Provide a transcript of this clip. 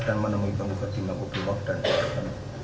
dan menemui penggugat di mangkuk rumah dan di rumah tempat